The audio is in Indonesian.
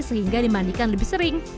sehingga dimandikan lebih sering